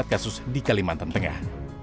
empat kasus di kalimantan tengah